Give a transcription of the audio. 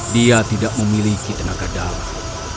dia tidak memiliki tenaga dalam